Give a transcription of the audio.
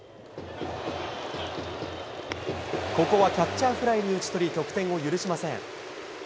ここはキャッチャーフライに打ち取り、得点を許しません。